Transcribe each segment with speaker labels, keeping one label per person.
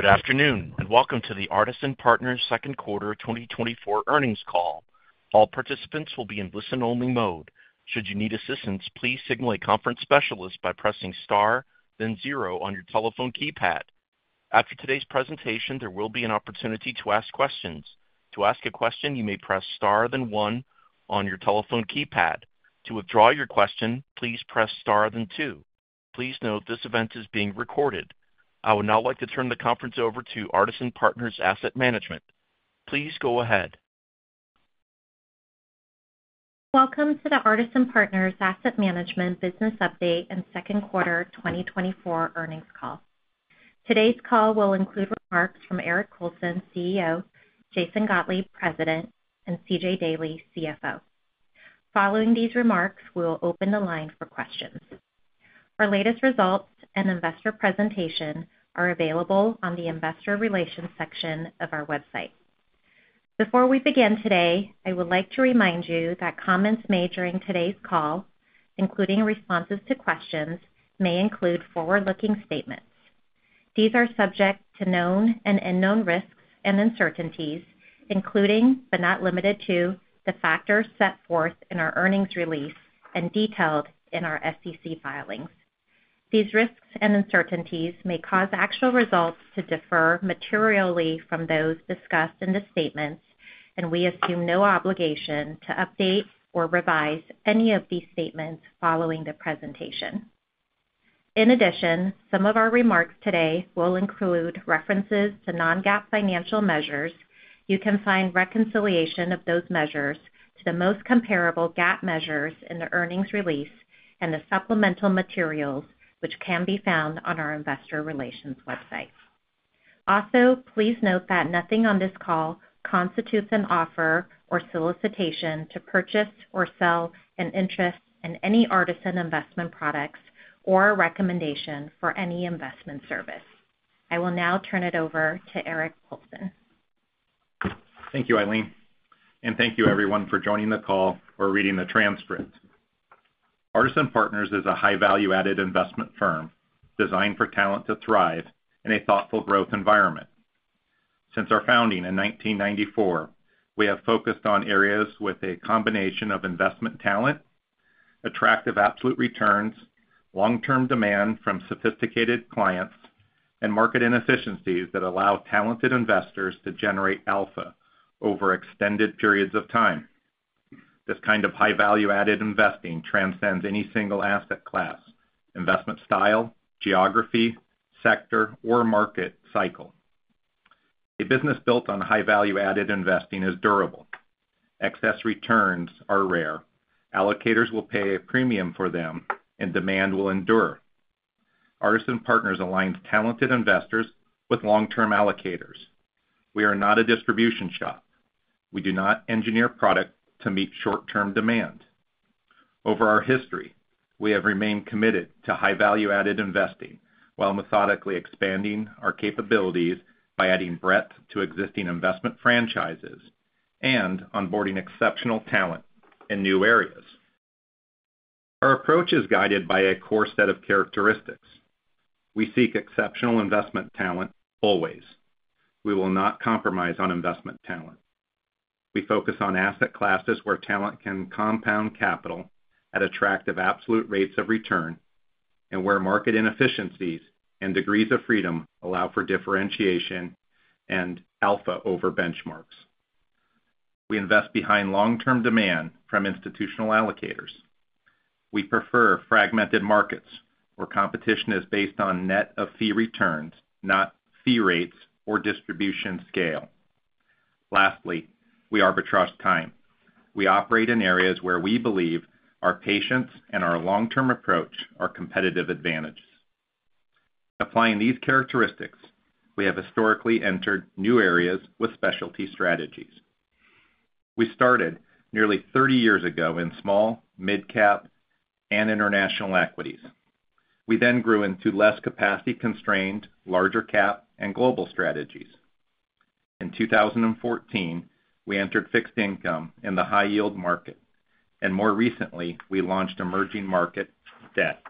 Speaker 1: Good afternoon, and welcome to the Artisan Partners Second Quarter 2024 Earnings Call. All participants will be in listen-only mode. Should you need assistance, please signal a conference specialist by pressing star, then zero on your telephone keypad. After today's presentation, there will be an opportunity to ask questions. To ask a question, you may press star, then one on your telephone keypad. To withdraw your question, please press star, then two. Please note, this event is being recorded. I would now like to turn the conference over to Artisan Partners Asset Management. Please go ahead.
Speaker 2: Welcome to the Artisan Partners Asset Management business update and Second Quarter 2024 Earnings Call. Today's call will include remarks from Eric Colson, CEO, Jason Gottlieb, President, and C.J. Daley, CFO. Following these remarks, we will open the line for questions. Our latest results and investor presentation are available on the investor relations section of our website. Before we begin today, I would like to remind you that comments made during today's call, including responses to questions, may include forward-looking statements. These are subject to known and unknown risks and uncertainties, including, but not limited to, the factors set forth in our earnings release and detailed in our SEC filings. These risks and uncertainties may cause actual results to differ materially from those discussed in the statements, and we assume no obligation to update or revise any of these statements following the presentation. In addition, some of our remarks today will include references to non-GAAP financial measures. You can find reconciliation of those measures to the most comparable GAAP measures in the earnings release and the supplemental materials, which can be found on our investor relations website. Also, please note that nothing on this call constitutes an offer or solicitation to purchase or sell an interest in any Artisan investment products or a recommendation for any investment service. I will now turn it over to Eric Colson.
Speaker 3: Thank you, Eileen, and thank you everyone for joining the call or reading the transcript. Artisan Partners is a high value-added investment firm designed for talent to thrive in a thoughtful growth environment. Since our founding in 1994, we have focused on areas with a combination of investment talent, attractive absolute returns, long-term demand from sophisticated clients, and market inefficiencies that allow talented investors to generate alpha over extended periods of time. This kind of high value-added investing transcends any single asset class, investment style, geography, sector, or market cycle. A business built on high value-added investing is durable. Excess returns are rare. Allocators will pay a premium for them, and demand will endure. Artisan Partners aligns talented investors with long-term allocators. We are not a distribution shop. We do not engineer product to meet short-term demand. Over our history, we have remained committed to high value-added investing while methodically expanding our capabilities by adding breadth to existing investment franchises and onboarding exceptional talent in new areas. Our approach is guided by a core set of characteristics. We seek exceptional investment talent always. We will not compromise on investment talent. We focus on asset classes where talent can compound capital at attractive absolute rates of return, and where market inefficiencies and degrees of freedom allow for differentiation and alpha over benchmarks. We invest behind long-term demand from institutional allocators. We prefer fragmented markets where competition is based on net-of-fee returns, not fee rates or distribution scale. Lastly, we arbitrage time. We operate in areas where we believe our patience and our long-term approach are competitive advantages. Applying these characteristics, we have historically entered new areas with specialty strategies. We started nearly 30 years ago in small, mid-cap, and international equities. We then grew into less capacity-constrained, larger cap, and global strategies. In 2014, we entered fixed income in the high yield market, and more recently, we launched emerging market debt.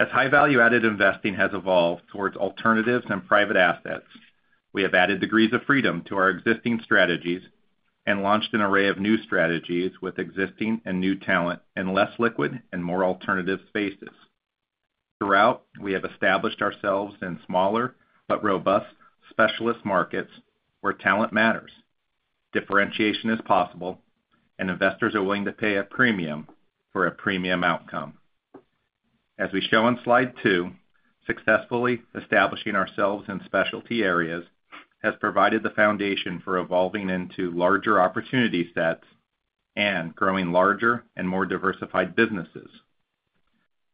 Speaker 3: As high value-added investing has evolved towards alternatives and private assets, we have added degrees of freedom to our existing strategies and launched an array of new strategies with existing and new talent in less liquid and more alternative spaces. Throughout, we have established ourselves in smaller but robust specialist markets where talent matters, differentiation is possible, and investors are willing to pay a premium for a premium outcome. As we show on slide two, successfully establishing ourselves in specialty areas has provided the foundation for evolving into larger opportunity sets and growing larger and more diversified businesses.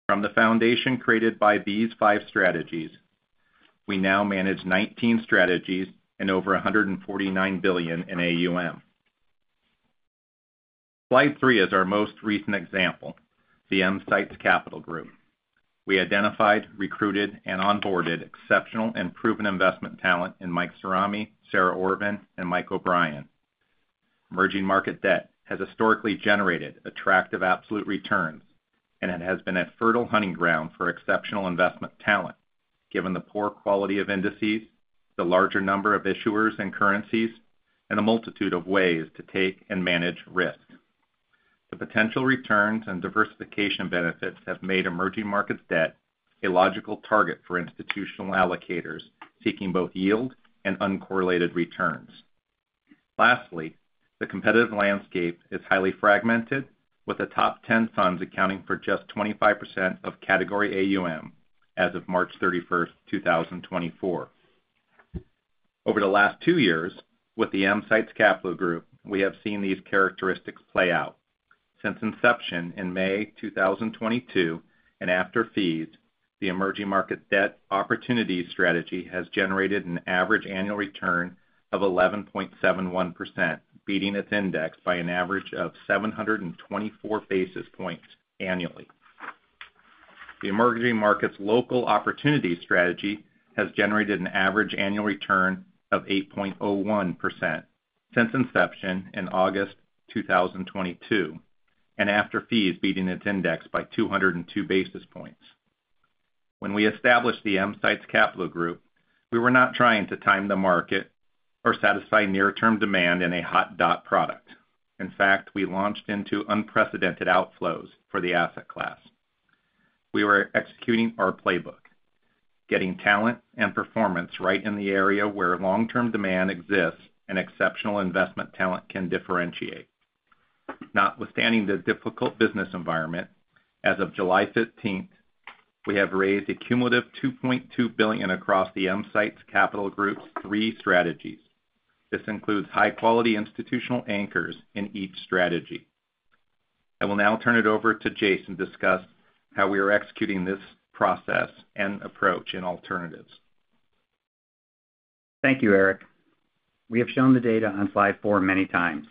Speaker 3: From the foundation created by these five strategies, we now manage nineteen strategies and over $149 billion in AUM. Slide three is our most recent example, the EMsights Capital Group. We identified, recruited, and onboarded exceptional and proven investment talent in Michael Cirami, Sarah Orvin, and Michael O'Brien. Emerging market debt has historically generated attractive absolute returns, and it has been a fertile hunting ground for exceptional investment talent, given the poor quality of indices, the larger number of issuers and currencies, and a multitude of ways to take and manage risk. The potential returns and diversification benefits have made emerging markets debt a logical target for institutional allocators seeking both yield and uncorrelated returns. Lastly, the competitive landscape is highly fragmented, with the top 10 funds accounting for just 25% of category AUM as of March 31, 2024. Over the last two years, with the EMsights Capital Group, we have seen these characteristics play out. Since inception in May 2022, and after fees, the Emerging Markets Debt Opportunities strategy has generated an average annual return of 11.71%, beating its index by an average of 724 basis points annually. The Emerging Markets Local Opportunities strategy has generated an average annual return of 8.01% since inception in August 2022, and after fees, beating its index by 202 basis points. When we established the EMsights Capital Group, we were not trying to time the market or satisfy near-term demand in a hot debt product. In fact, we launched into unprecedented outflows for the asset class. We were executing our playbook, getting talent and performance right in the area where long-term demand exists, and exceptional investment talent can differentiate. Notwithstanding the difficult business environment, as of July 15, we have raised a cumulative $2.2 billion across the EMsights Capital Group's 3 strategies. This includes high-quality institutional anchors in each strategy. I will now turn it over to Jason to discuss how we are executing this process and approach in alternatives.
Speaker 4: Thank you, Eric. We have shown the data on slide four many times.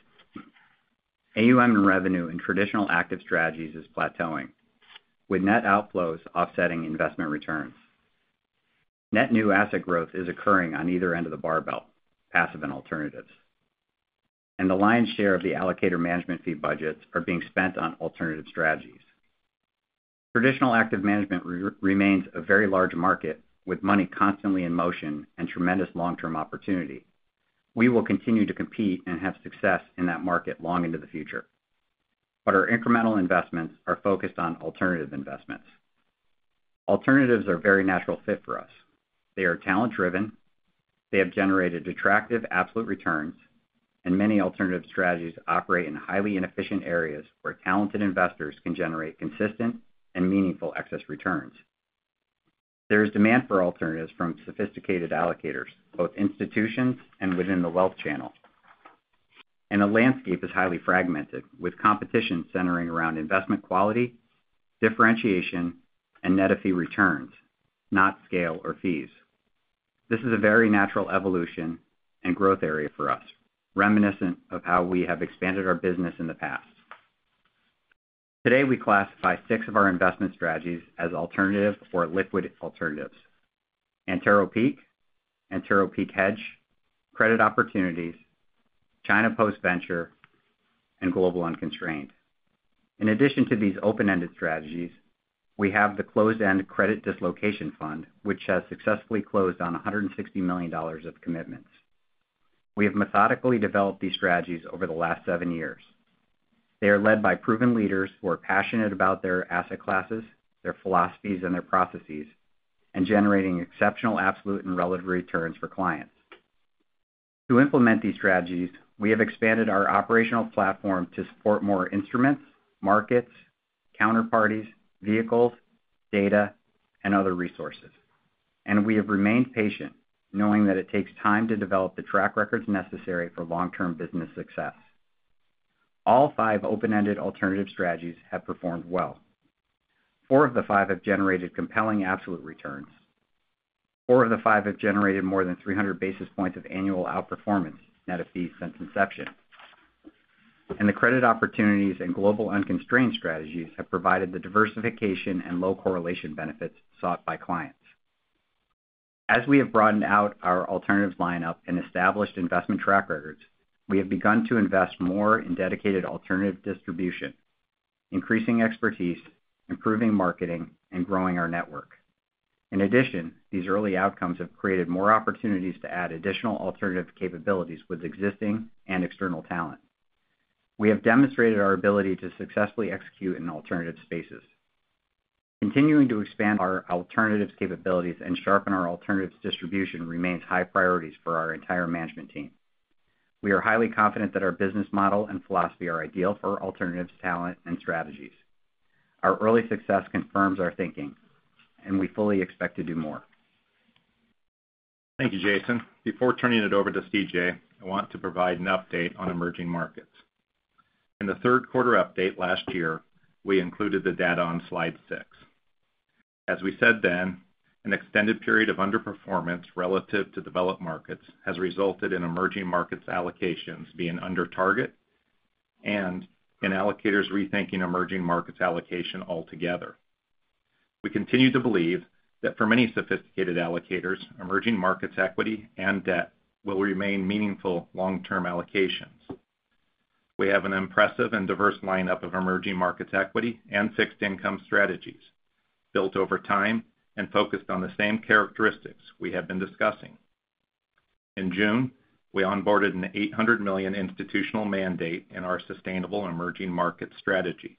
Speaker 4: AUM and revenue in traditional active strategies is plateauing, with net outflows offsetting investment returns. Net new asset growth is occurring on either end of the barbell, passive and alternatives, and the lion's share of the allocator management fee budgets are being spent on alternative strategies. Traditional active management remains a very large market, with money constantly in motion and tremendous long-term opportunity. We will continue to compete and have success in that market long into the future, but our incremental investments are focused on alternative investments. Alternatives are a very natural fit for us. They are talent-driven, they have generated attractive absolute returns, and many alternative strategies operate in highly inefficient areas where talented investors can generate consistent and meaningful excess returns. There is demand for alternatives from sophisticated allocators, both institutions and within the wealth channel. The landscape is highly fragmented, with competition centering around investment quality, differentiation, and net of fee returns, not scale or fees. This is a very natural evolution and growth area for us, reminiscent of how we have expanded our business in the past. Today, we classify six of our investment strategies as alternative or liquid alternatives: Antero Peak, Antero Peak Hedge, Credit Opportunities, China Post-Venture, and Global Unconstrained. In addition to these open-ended strategies, we have the closed-end Credit Dislocation Fund, which has successfully closed on $160 million of commitments. We have methodically developed these strategies over the last seven years. They are led by proven leaders who are passionate about their asset classes, their philosophies, and their processes, and generating exceptional, absolute, and relative returns for clients. To implement these strategies, we have expanded our operational platform to support more instruments, markets, counterparties, vehicles, data, and other resources. We have remained patient, knowing that it takes time to develop the track records necessary for long-term business success. All five open-ended alternative strategies have performed well. Four of the five have generated compelling absolute returns. Four of the five have generated more than 300 basis points of annual outperformance, net of fees, since inception. The Credit Opportunities and Global Unconstrained strategies have provided the diversification and low correlation benefits sought by clients. As we have broadened out our alternatives lineup and established investment track records, we have begun to invest more in dedicated alternative distribution, increasing expertise, improving marketing, and growing our network. In addition, these early outcomes have created more opportunities to add additional alternative capabilities with existing and external talent. We have demonstrated our ability to successfully execute in alternative spaces. Continuing to expand our alternatives capabilities and sharpen our alternatives distribution remains high priorities for our entire management team. We are highly confident that our business model and philosophy are ideal for alternatives, talent, and strategies. Our early success confirms our thinking, and we fully expect to do more.
Speaker 3: Thank you, Jason. Before turning it over to C.J., I want to provide an update on emerging markets. In the Q3 update last year, we included the data on slide six. As we said then, an extended period of underperformance relative to developed markets has resulted in emerging markets allocations being under target and in allocators rethinking emerging markets allocation altogether. We continue to believe that for many sophisticated allocators, emerging markets equity and debt will remain meaningful long-term allocations. We have an impressive and diverse lineup of emerging markets equity and fixed income strategies, built over time and focused on the same characteristics we have been discussing. In June, we onboarded an $800 million institutional mandate in our Sustainable Emerging Markets strategy.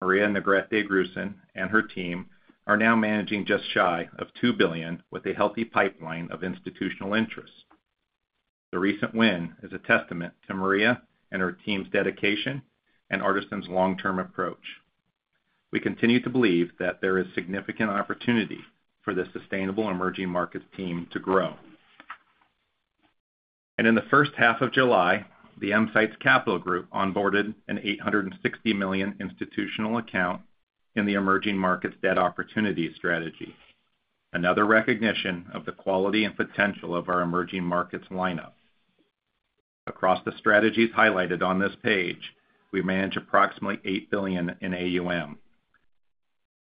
Speaker 3: Maria Negrete-Gruson and her team are now managing just shy of $2 billion, with a healthy pipeline of institutional interests. The recent win is a testament to Maria and her team's dedication and Artisan's long-term approach. We continue to believe that there is significant opportunity for the Sustainable Emerging Markets team to grow. And in the first half of July, the EMsights Capital Group onboarded an $860 million institutional account in the Emerging Markets Debt Opportunities strategy, another recognition of the quality and potential of our emerging markets lineup. Across the strategies highlighted on this page, we manage approximately $8 billion in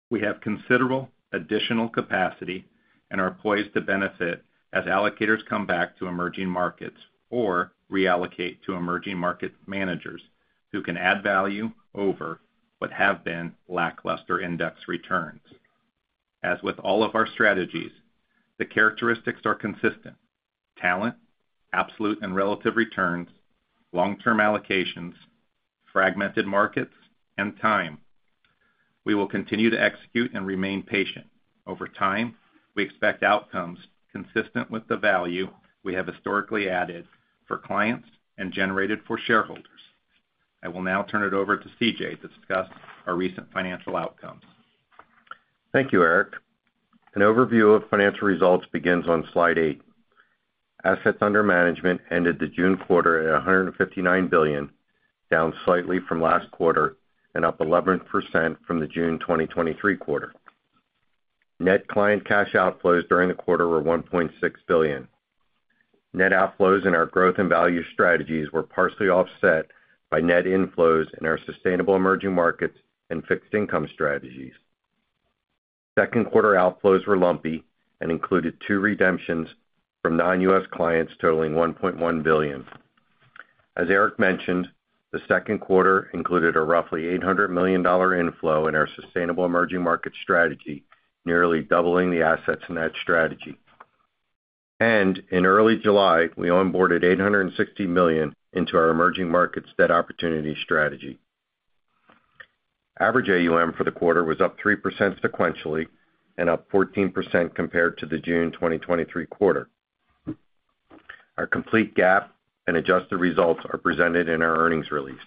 Speaker 3: AUM. We have considerable additional capacity and are poised to benefit as allocators come back to emerging markets or reallocate to emerging market managers who can add value over what have been lackluster index returns. As with all of our strategies, the characteristics are consistent: talent, absolute and relative returns, long-term allocations, fragmented markets, and time. We will continue to execute and remain patient. Over time, we expect outcomes consistent with the value we have historically added for clients and generated for shareholders. I will now turn it over to C.J. to discuss our recent financial outcomes.
Speaker 5: Thank you, Eric. An overview of financial results begins on slide eight. Assets under management ended the June quarter at $159 billion, down slightly from last quarter and up 11% from the June 2023 quarter. Net client cash outflows during the quarter were $1.6 billion. Net outflows in our growth and value strategies were partially offset by net inflows in our sustainable emerging markets and fixed income strategies. Q2 outflows were lumpy and included two redemptions from non-U.S. clients, totaling $1.1 billion. As Eric mentioned, the Q2 included a roughly $800 million inflow in our sustainable emerging market strategy, nearly doubling the assets in that strategy. In early July, we onboarded $860 million into our emerging markets debt opportunity strategy. Average AUM for the quarter was up 3% sequentially and up 14% compared to the June 2023 quarter. Our complete GAAP and adjusted results are presented in our earnings release.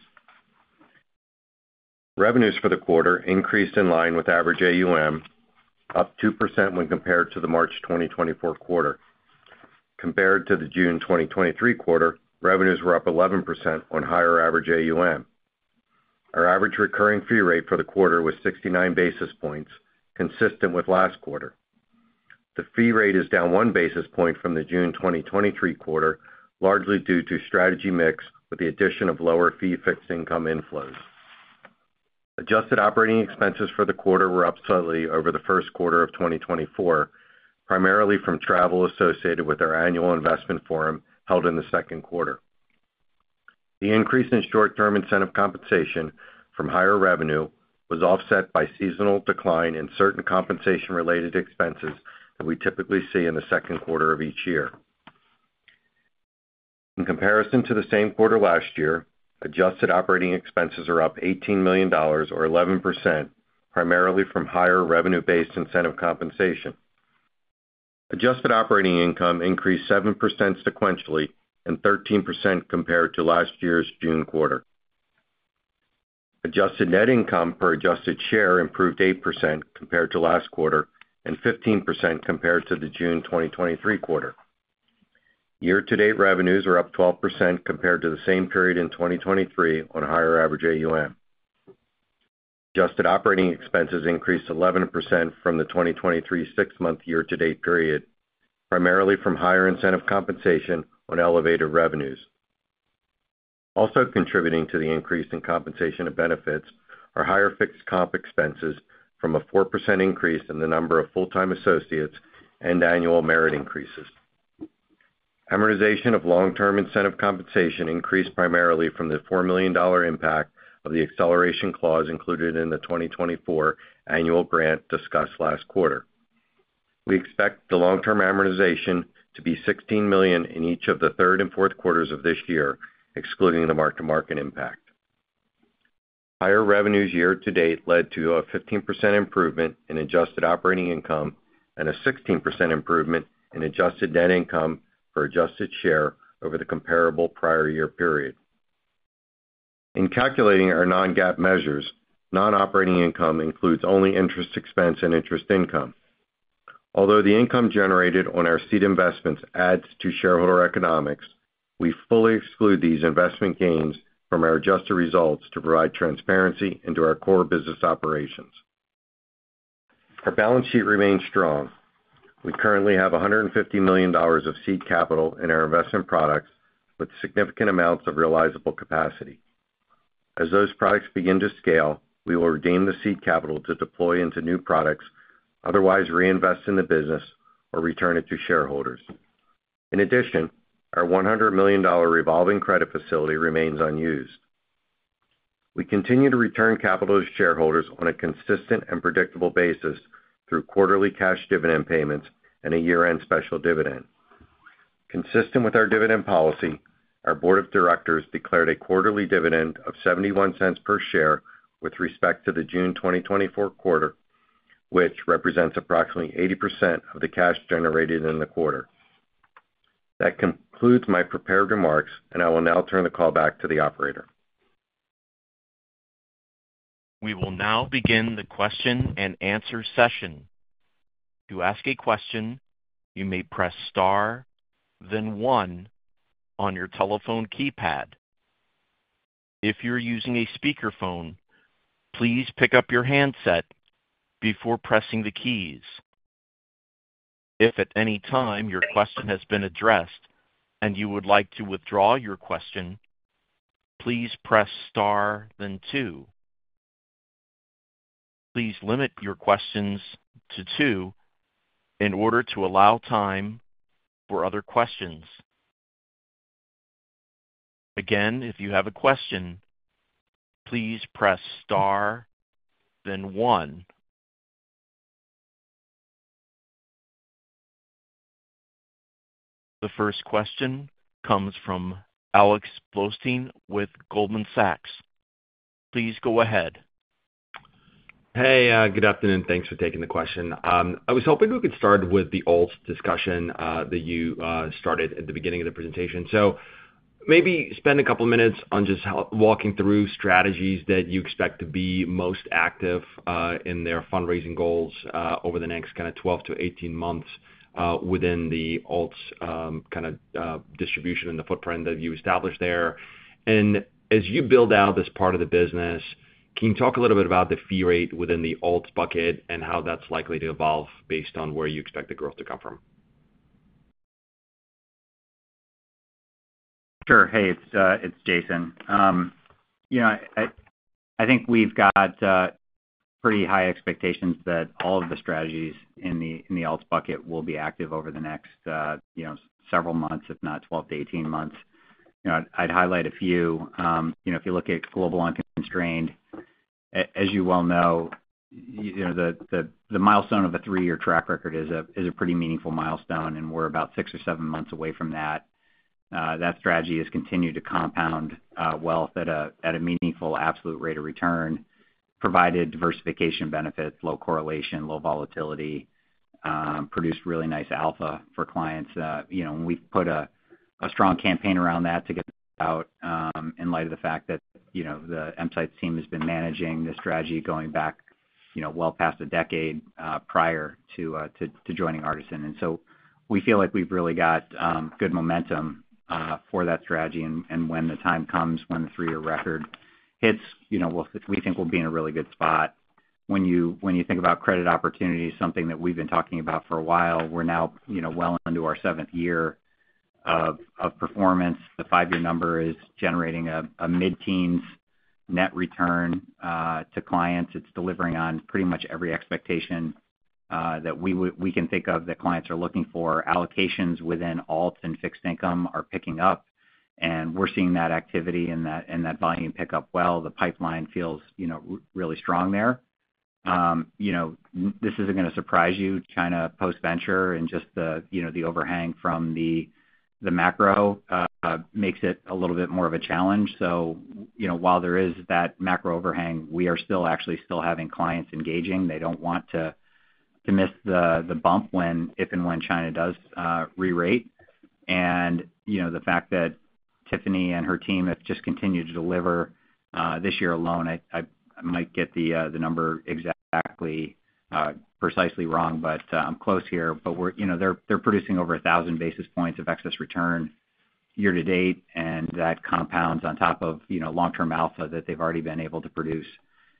Speaker 5: Revenues for the quarter increased in line with average AUM, up 2% when compared to the March 2024 quarter. Compared to the June 2023 quarter, revenues were up 11% on higher average AUM. Our average recurring fee rate for the quarter was 69 basis points, consistent with last quarter. The fee rate is down 1 basis point from the June 2023 quarter, largely due to strategy mix with the addition of lower fee fixed income inflows. Adjusted operating expenses for the quarter were up slightly over the Q1 of 2024, primarily from travel associated with our annual investment forum held in the Q2. The increase in short-term incentive compensation from higher revenue was offset by seasonal decline in certain compensation-related expenses that we typically see in the Q2 of each year. In comparison to the same quarter last year, adjusted operating expenses are up $18 million or 11%, primarily from higher revenue-based incentive compensation. Adjusted operating income increased 7% sequentially and 13% compared to last year's June quarter. Adjusted net income per adjusted share improved 8% compared to last quarter and 15% compared to the June 2023 quarter. Year-to-date revenues are up 12% compared to the same period in 2023 on higher average AUM. Adjusted operating expenses increased 11% from the 2023 six-month year-to-date period, primarily from higher incentive compensation on elevated revenues. Also contributing to the increase in compensation and benefits are higher fixed comp expenses from a 4% increase in the number of full-time associates and annual merit increases. Amortization of long-term incentive compensation increased primarily from the $4 million impact of the acceleration clause included in the 2024 annual grant discussed last quarter. We expect the long-term amortization to be $16 million in each of the third and fourth quarters of this year, excluding the mark-to-market impact. Higher revenues year to date led to a 15% improvement in adjusted operating income and a 16% improvement in adjusted net income for adjusted share over the comparable prior year period. In calculating our non-GAAP measures, non-operating income includes only interest expense and interest income. Although the income generated on our seed investments adds to shareholder economics, we fully exclude these investment gains from our adjusted results to provide transparency into our core business operations. Our balance sheet remains strong. We currently have $150 million of seed capital in our investment products, with significant amounts of realizable capacity. As those products begin to scale, we will regain the seed capital to deploy into new products, otherwise reinvest in the business or return it to shareholders. In addition, our $100 million revolving credit facility remains unused. We continue to return capital to shareholders on a consistent and predictable basis through quarterly cash dividend payments and a year-end special dividend. Consistent with our dividend policy, our board of directors declared a quarterly dividend of $0.71 per share with respect to the June 2024 quarter, which represents approximately 80% of the cash generated in the quarter. That concludes my prepared remarks, and I will now turn the call back to the operator.
Speaker 1: We will now begin the question and answer session. To ask a question, you may press star, then one on your telephone keypad. If you're using a speakerphone, please pick up your handset before pressing the keys. If at any time your question has been addressed and you would like to withdraw your question, please press star, then two. Please limit your questions to two in order to allow time for other questions. Again, if you have a question, please press star, then one. The first question comes from Alex Blostein with Goldman Sachs. Please go ahead.
Speaker 6: Hey, good afternoon. Thanks for taking the question. I was hoping we could start with the alts discussion, that you started at the beginning of the presentation. So maybe spend a couple of minutes on just how walking through strategies that you expect to be most active, in their fundraising goals, over the next kind of 12-18 months, within the alts, kind of, distribution and the footprint that you established there. And as you build out this part of the business, can you talk a little bit about the fee rate within the alts bucket and how that's likely to evolve based on where you expect the growth to come from?
Speaker 4: Sure. Hey, it's Jason. You know, I think we've got pretty high expectations that all of the strategies in the alts bucket will be active over the next, you know, several months, if not 12-18 months. You know, I'd highlight a few. You know, if you look at Global Unconstrained, as you well know, you know, the milestone of a three-year track record is a pretty meaningful milestone, and we're about six or seven months away from that. That strategy has continued to compound wealth at a meaningful absolute rate of return, provided diversification benefits, low correlation, low volatility, produced really nice alpha for clients. You know, and we've put a strong campaign around that to get out, in light of the fact that, you know, the EMsights team has been managing this strategy going back, you know, well past a decade, prior to joining Artisan. And so we feel like we've really got good momentum for that strategy. And when the time comes, when the 3-year record hits, you know, we'll, we think we'll be in a really good spot. When you think about Credit Opportunities, something that we've been talking about for a while, we're now, you know, well into our 7th year of performance. The 5-year number is generating a mid-teens net return to clients. It's delivering on pretty much every expectation that we would, we can think of, that clients are looking for. Allocations within alts and fixed income are picking up, and we're seeing that activity and that, and that volume pick up well. The pipeline feels, you know, really strong there. You know, this isn't gonna surprise you, China Post-Venture and just the, you know, the overhang from the macro makes it a little bit more of a challenge. So, you know, while there is that macro overhang, we are still actually having clients engaging. They don't want to miss the bump when—if and when China does rerate. And, you know, the fact that Tiffany and her team have just continued to deliver this year alone, I might get the number exactly precisely wrong, but I'm close here. But we're you know, they're producing over 1,000 basis points of excess return year to date, and that compounds on top of, you know, long-term alpha that they've already been able to produce.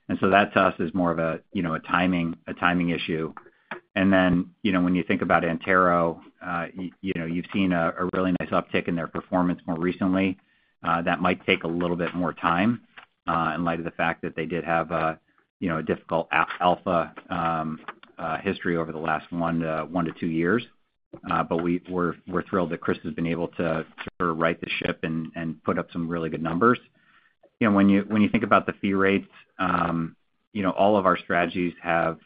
Speaker 4: And so that to us is more of a you know, a timing issue. And then, you know, when you think about Antero, you know, you've seen a really nice uptick in their performance more recently. That might take a little bit more time in light of the fact that they did have a difficult alpha history over the last 1-2 years. But we're thrilled that Chris has been able to sort of right the ship and put up some really good numbers. You know, when you think about the fee rates, you know, all of our strategies have,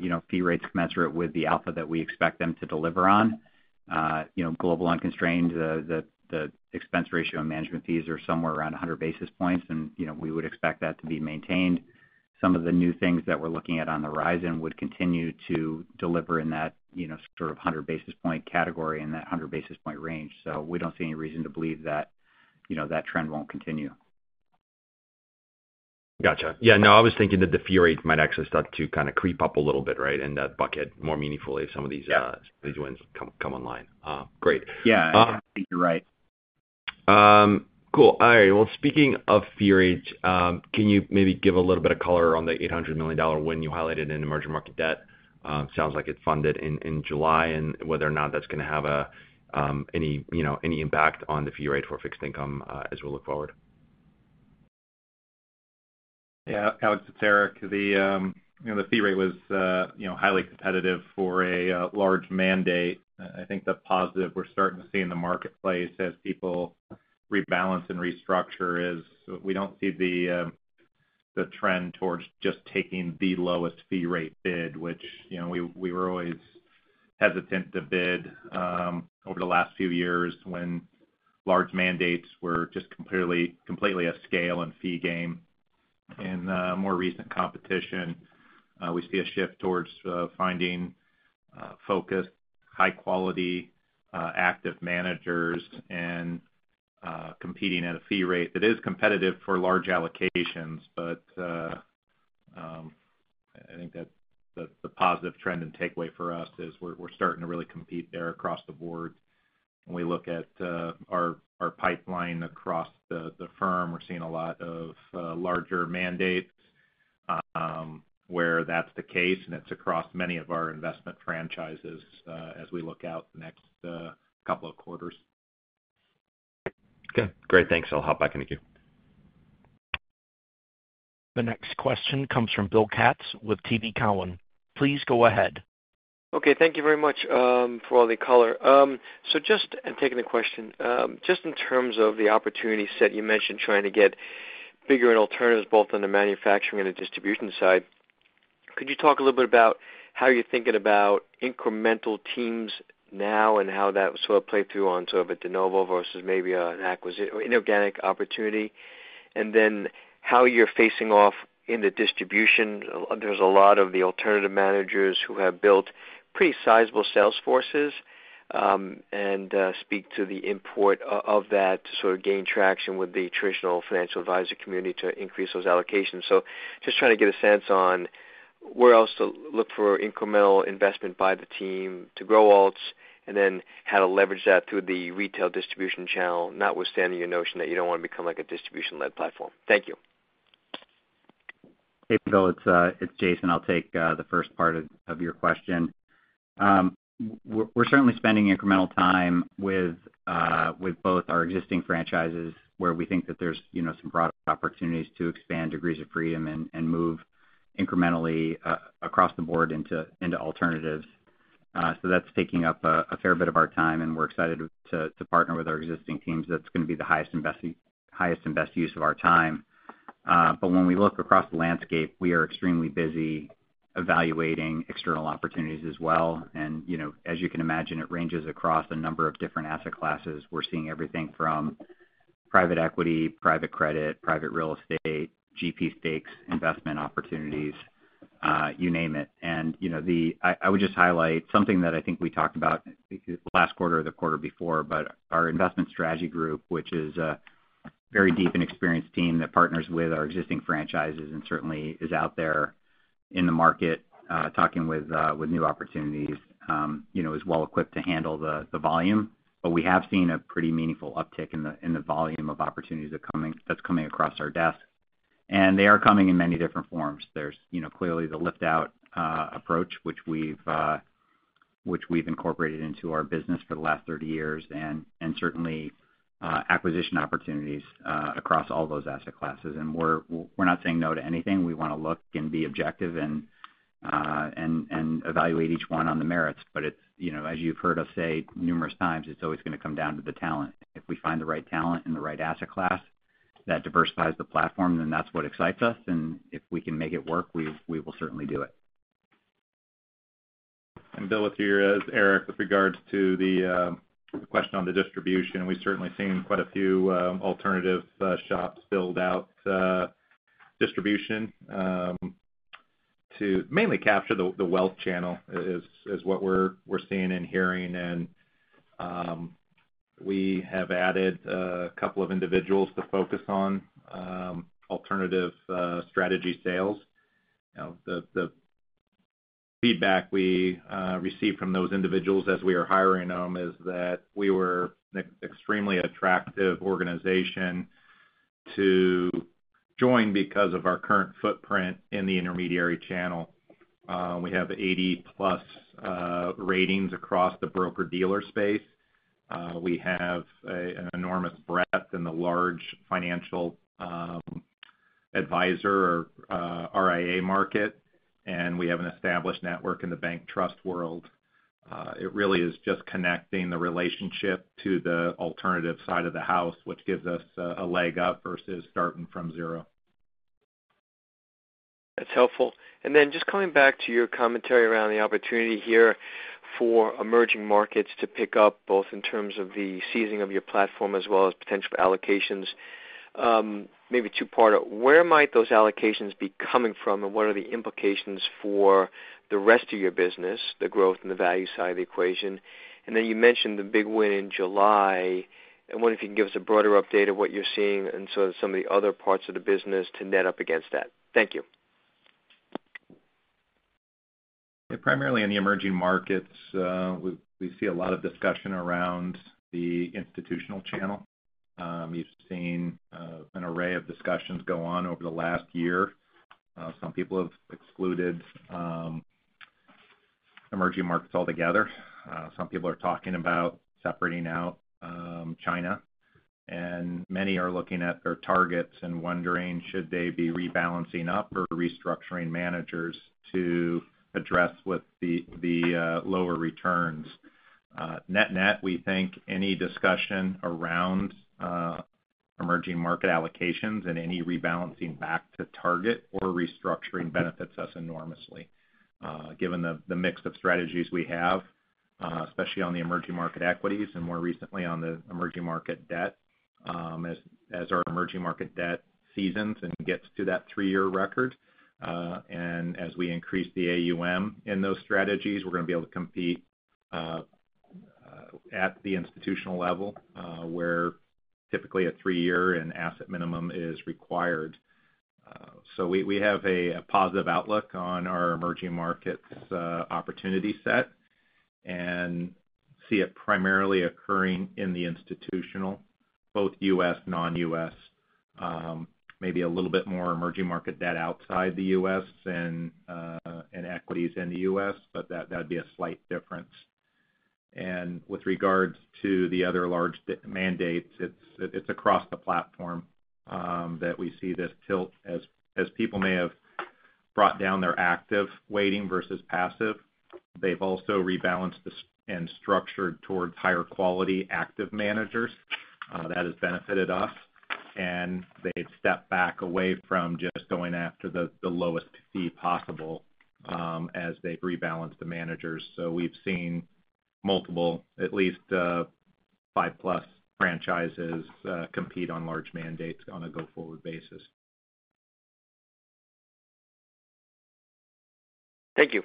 Speaker 4: you know, fee rates commensurate with the alpha that we expect them to deliver on. You know, Global Unconstrained, the expense ratio and management fees are somewhere around 100 basis points, and, you know, we would expect that to be maintained. Some of the new things that we're looking at on the horizon would continue to deliver in that, you know, sort of 100 basis point category and that 100 basis point range. So we don't see any reason to believe that, you know, that trend won't continue.
Speaker 6: Gotcha. Yeah, no, I was thinking that the fee rate might actually start to kind of creep up a little bit, right, in that bucket, more meaningfully, some of these-
Speaker 4: Yeah.
Speaker 6: These ones come online. Great.
Speaker 4: Yeah, you're right.
Speaker 6: Cool. All right, well, speaking of fee rate, can you maybe give a little bit of color on the $800 million win you highlighted in emerging market debt? Sounds like it funded in July, and whether or not that's gonna have a, any, you know, any impact on the fee rate for fixed income, as we look forward....
Speaker 3: Yeah, Alex, it's Eric. The, you know, the fee rate was, you know, highly competitive for a, large mandate. I think the positive we're starting to see in the marketplace as people rebalance and restructure is we don't see the, the trend towards just taking the lowest fee rate bid, which, you know, we, we were always hesitant to bid, over the last few years when large mandates were just completely, completely a scale and fee game. In, more recent competition, we see a shift towards, finding, focused, high quality, active managers and, competing at a fee rate that is competitive for large allocations. But, I think that the, the positive trend and takeaway for us is we're, we're starting to really compete there across the board. When we look at our pipeline across the firm, we're seeing a lot of larger mandates, where that's the case, and it's across many of our investment franchises, as we look out the next couple of quarters.
Speaker 6: Okay, great. Thanks. I'll hop back in the queue.
Speaker 1: The next question comes from Bill Katz with TD Cowen. Please go ahead.
Speaker 7: Okay, thank you very much for all the color. So just taking the question, just in terms of the opportunity set, you mentioned trying to get bigger in alternatives, both on the manufacturing and the distribution side. Could you talk a little bit about how you're thinking about incremental teams now and how that sort of play through on sort of a de novo versus maybe an acquisition, an inorganic opportunity? And then how you're facing off in the distribution. There's a lot of the alternative managers who have built pretty sizable sales forces and speak to the importance of that to sort of gain traction with the traditional financial advisor community to increase those allocations. So just trying to get a sense on where else to look for incremental investment by the team to grow alts, and then how to leverage that through the retail distribution channel, notwithstanding your notion that you don't want to become like a distribution-led platform. Thank you.
Speaker 4: Hey, Bill, it's Jason. I'll take the first part of your question. We're certainly spending incremental time with both our existing franchises, where we think that there's, you know, some product opportunities to expand degrees of freedom and move incrementally across the board into alternatives. So that's taking up a fair bit of our time, and we're excited to partner with our existing teams. That's gonna be the highest and best, highest and best use of our time. But when we look across the landscape, we are extremely busy evaluating external opportunities as well. And, you know, as you can imagine, it ranges across a number of different asset classes. We're seeing everything from private equity, private credit, private real estate, GP stakes, investment opportunities, you name it. And, you know, the... I would just highlight something that I think we talked about last quarter or the quarter before, but our Investment Strategy Group, which is a very deep and experienced team that partners with our existing franchises and certainly is out there in the market, talking with, with new opportunities, you know, is well equipped to handle the volume. But we have seen a pretty meaningful uptick in the volume of opportunities that coming, that's coming across our desk, and they are coming in many different forms. There's, you know, clearly the lift out approach, which we've, which we've incorporated into our business for the last 30 years, and, and certainly acquisition opportunities across all those asset classes. And we're not saying no to anything. We wanna look and be objective and evaluate each one on the merits. But it's, you know, as you've heard us say numerous times, it's always gonna come down to the talent. If we find the right talent and the right asset class that diversifies the platform, then that's what excites us, and if we can make it work, we will certainly do it.
Speaker 3: And Bill, it's here is Eric. With regards to the question on the distribution, we've certainly seen quite a few alternative shops build out distribution to mainly capture the wealth channel, is what we're seeing and hearing. We have added a couple of individuals to focus on alternative strategy sales. You know, the feedback we received from those individuals as we are hiring them is that we were an extremely attractive organization to join because of our current footprint in the intermediary channel. We have 80-plus ratings across the broker-dealer space. We have an enormous breadth in the large financial advisor RIA market, and we have an established network in the bank trust world. It really is just connecting the relationship to the alternative side of the house, which gives us a leg up versus starting from zero.
Speaker 7: That's helpful. And then just coming back to your commentary around the opportunity here for emerging markets to pick up, both in terms of the sizing of your platform as well as potential allocations. Maybe two-part. Where might those allocations be coming from, and what are the implications for the rest of your business, the growth and the value side of the equation? And then you mentioned the big win in July. I wonder if you can give us a broader update of what you're seeing in sort of some of the other parts of the business to net up against that. Thank you.
Speaker 3: Primarily in the emerging markets, we see a lot of discussion around the institutional channel. You've seen an array of discussions go on over the last year. Some people have excluded emerging markets altogether. Some people are talking about separating out China, and many are looking at their targets and wondering should they be rebalancing up or restructuring managers to address with the lower returns. Net-net, we think any discussion around emerging market allocations and any rebalancing back to target or restructuring benefits us enormously, given the mix of strategies we have, especially on the emerging market equities and more recently on the emerging market debt. As, as our emerging market debt seasons and gets to that three-year record, and as we increase the AUM in those strategies, we're gonna be able to compete at the institutional level, where typically a three-year asset minimum is required. So we, we have a, a positive outlook on our emerging markets opportunity set, and see it primarily occurring in the institutional, both U.S., non-U.S. Maybe a little bit more emerging market debt outside the U.S. and equities in the U.S., but that, that'd be a slight difference. And with regards to the other large mandates, it's, it's across the platform that we see this tilt. As, as people may have brought down their active weighting versus passive, they've also rebalanced this and structured towards higher quality, active managers. That has benefited us, and they've stepped back away from just going after the lowest fee possible, as they've rebalanced the managers. So we've seen multiple, at least, five-plus franchises, compete on large mandates on a go-forward basis.
Speaker 7: Thank you.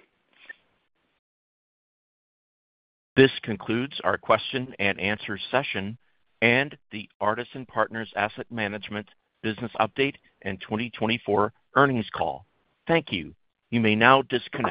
Speaker 1: This concludes our question-and-answer session and the Artisan Partners Asset Management Business Update and 2024 Earnings Call. Thank you. You may now disconnect.